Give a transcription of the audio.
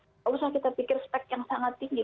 tidak usah kita pikir spek yang sangat tinggi